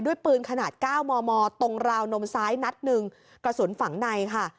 ปืนขนาด๙มมตรงราวนมซ้ายนัดหนึ่งกระสุนฝังในค่ะ